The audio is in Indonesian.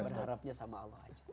berharapnya sama allah aja